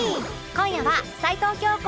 今夜は齊藤京子